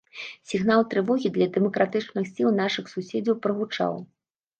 Сігнал трывогі для дэмакратычных сіл нашых суседзяў прагучаў.